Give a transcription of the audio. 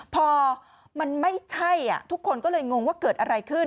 พอมันไม่ใช่ทุกคนก็เลยงงว่าเกิดอะไรขึ้น